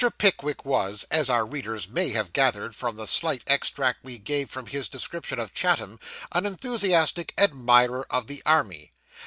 Pickwick was, as our readers may have gathered from the slight extract we gave from his description of Chatham, an enthusiastic admirer of the army.